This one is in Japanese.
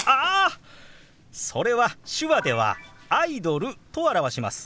それは手話では「アイドル」と表します。